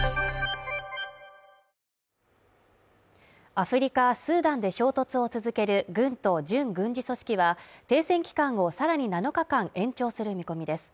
アフリカスーダンで衝突を続ける軍と準軍事組織は停戦期間をさらに７日間延長する見込みです